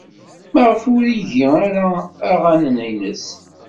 Maɣef ur igi ara aɣanen-nnes?